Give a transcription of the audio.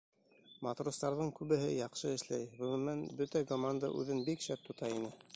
Матростарҙың күбеһе яҡшы эшләй, ғөмүмән, бөтә команда үҙен бик шәп тота ине.